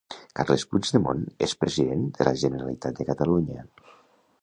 Carles Puigdemont és President de la Generalitat de Catalunya.